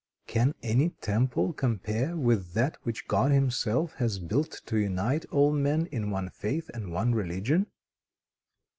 "Can any temple compare with that which God Himself has built to unite all men in one faith and one religion?